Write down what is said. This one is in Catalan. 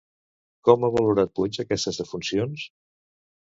Com ha valorat Puig aquestes defuncions?